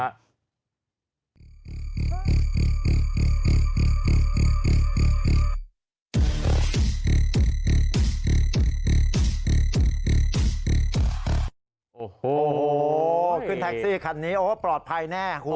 โอ้โหขึ้นแท็กซี่คันนี้โอ้ปลอดภัยแน่คุณ